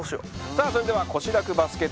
さあそれでは腰らくバスケット